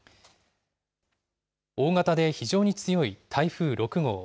大型で非常に強い台風６号。